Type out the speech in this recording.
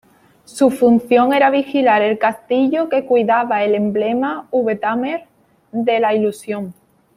Su función era vigilar el castillo que cuidaba el emblema V-Tamer de la ilusión.